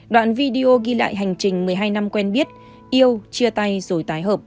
đoạn video ghi lại hành trình một mươi hai năm quen biết yêu chia tay rồi tái hợp